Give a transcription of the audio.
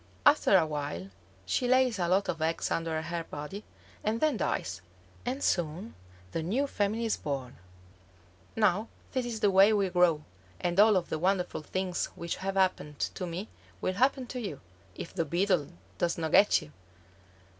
After a while she lays a lot of eggs under her body, and then dies. And soon the new family is born. Now this is the way we grow, and all of the wonderful things which have happened to me will happen to you, if the Beetle does not get you."